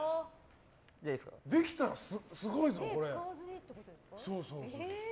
できたらすごいぞ、これ。